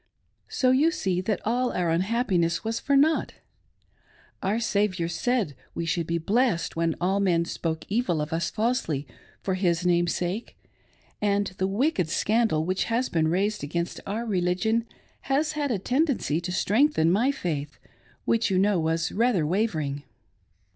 So you see that all our unhappiness was for nought. Our Saviour said we should be blessed when all men spoke evil of us falsely for His name's sake ; and the wicked scandal which has been raised against our religion has had a tendency to strengthen my faith, which you know was rather wavering.